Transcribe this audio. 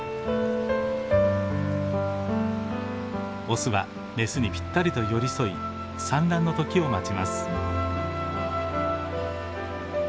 オスはメスにぴったりと寄り添い産卵の時を待ちます。